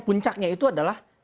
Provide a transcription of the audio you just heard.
puncaknya itu adalah